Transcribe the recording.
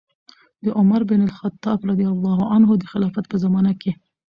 د عمر بن الخطاب رضي الله عنه د خلافت په زمانه کې